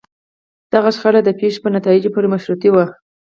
دغه شخړې د پېښو په نتایجو پورې مشروطې وي.